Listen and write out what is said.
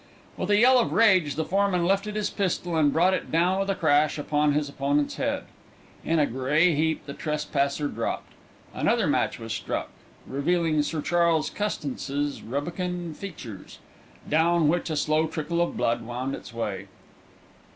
With a yell of rage the foreman lifted his pistol and brought it down with a crash upon his opponent's head. In a grey heap the trespasser dropped. Another match was struck, revealing Sir Charles Custance's rubicund features, down which a slow trickle of blood wound its way.